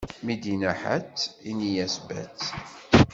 Mi d-inna ḥatt, ini-as batt.